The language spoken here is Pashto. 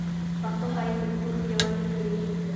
پښتو ښايي کلتور پیاوړی کړي.